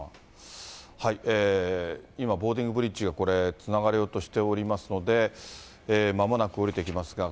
今、ボーディングブリッジがこれ、つながれようとしておりますので、まもなく降りてきますが。